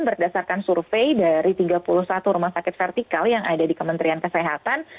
berdasarkan survei dari tiga puluh satu rumah sakit vertikal yang ada di kementerian kesehatan